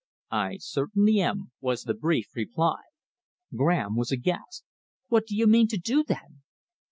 "I certainly am," was the brief reply. Graham was aghast. "What do you mean to do, then?"